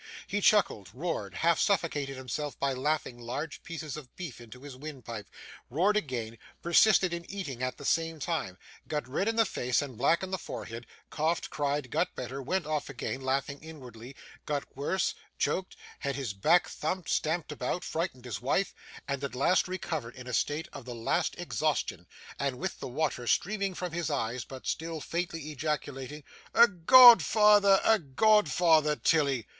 He chuckled, roared, half suffocated himself by laughing large pieces of beef into his windpipe, roared again, persisted in eating at the same time, got red in the face and black in the forehead, coughed, cried, got better, went off again laughing inwardly, got worse, choked, had his back thumped, stamped about, frightened his wife, and at last recovered in a state of the last exhaustion and with the water streaming from his eyes, but still faintly ejaculating, 'A godfeyther a godfeyther, Tilly!